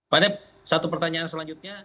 pak dep satu pertanyaan selanjutnya